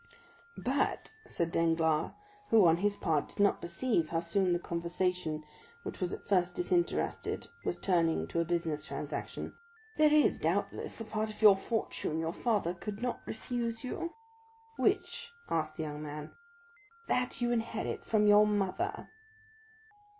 "But," said Danglars, who, on his part, did not perceive how soon the conversation, which was at first disinterested, was turning to a business transaction, "there is, doubtless, a part of your fortune your father could not refuse you?" "Which?" asked the young man. "That you inherit from your mother."